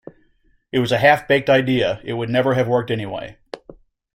It was a half-baked idea, it would never have worked anyway.